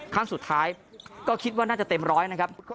ขั้นสุดท้ายก็คิดว่าน่าจะเต็มร้อยนะครับ